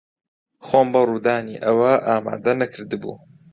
خۆم بۆ ڕوودانی ئەوە ئامادە نەکردبوو.